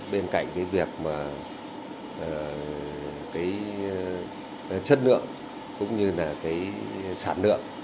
bên cạnh việc chất lượng cũng như sản lượng